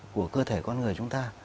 của cơ thể con người chúng ta